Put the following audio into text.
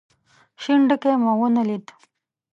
شين ډکی مو ونه ليد.